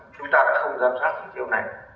chúng ta đã không giám sát chỉ tiêu này